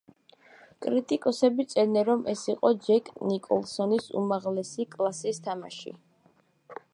კრიტიკოსები წერდნენ, რომ ეს იყო ჯეკ ნიკოლსონის უმაღლესი კლასის თამაში.